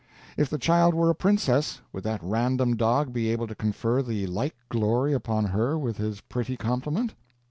If the child were a princess, would that random dog be able to confer the like glory upon her with his pretty compliment?